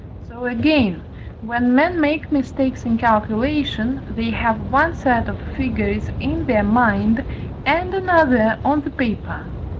So again, when men make mistakes in calculation, they have one set of figures in their mind, and another on the paper.